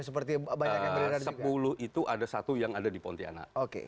sepuluh itu ada satu yang ada di pontianak